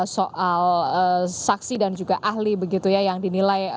soal saksi dan juga ahli begitu ya yang dinilai